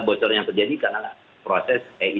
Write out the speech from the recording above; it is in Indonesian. bocor yang terjadi karena proses ei